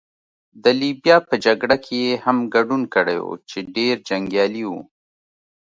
د لیبیا په جګړه کې يې هم ګډون کړی وو، چې ډېر جنګیالی وو.